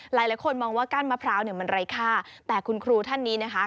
หลายคนมองว่ากั้นมะพร้าวเนี่ยมันไร้ค่าแต่คุณครูท่านนี้นะคะ